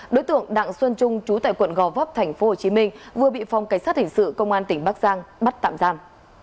đối tượng đặng xuân trung trú tại quận gò vấp thành phố hồ chí minh vừa bị phòng cảnh sát hình sự công an tỉnh bắc giang bắt tạm giam